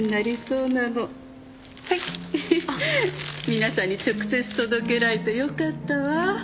皆さんに直接届けられてよかったわ。